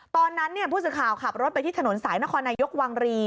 ตอนนั้นผู้สื่อข่าวขับรถไปที่ถนนสายนครนายกวังรี